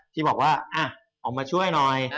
ที่บอกว่าออกมาช่วยหน่อย